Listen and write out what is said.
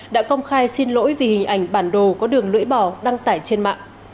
đã công khai xin lỗi vì hình ảnh bản đồ có đường lưỡi bò đăng tải trên mạng